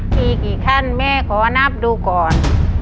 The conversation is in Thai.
มีกี่ขั้นแม่ขอนับดูก่อน